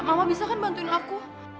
awal bisa kan bantuin aku